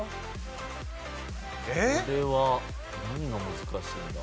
これは何が難しいんだ？